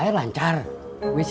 bisa nggak jual